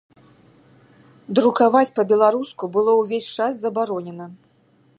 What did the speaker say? Друкаваць па-беларуску было ўвесь час забаронена.